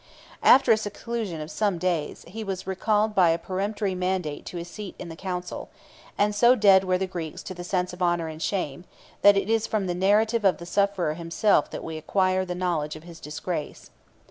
After a seclusion of some days, he was recalled by a peremptory mandate to his seat in council; and so dead were the Greeks to the sense of honor and shame, that it is from the narrative of the sufferer himself that we acquire the knowledge of his disgrace.